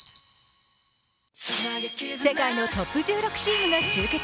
世界のトップ１６チームが集結。